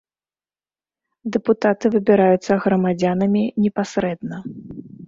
Дэпутаты выбіраюцца грамадзянамі непасрэдна.